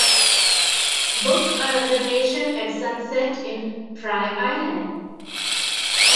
Book a reservation at Sunset in Frye Island